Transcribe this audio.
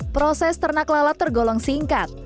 proses ternak lalat tergolong singkat